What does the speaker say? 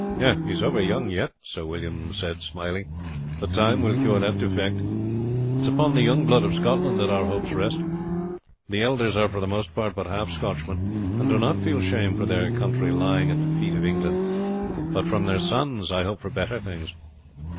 "He is over young yet," Sir William said smiling; "but time will cure that defect. It is upon the young blood of Scotland that our hopes rest. The elders are for the most part but half Scotchmen, and do not feel shame for their country lying at the feet of England; but from their sons I hope for better things.